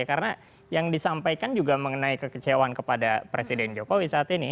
karena yang disampaikan juga mengenai kekecewaan kepada presiden jokowi saat ini